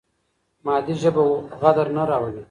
مادي ژبه غدر نه راولي.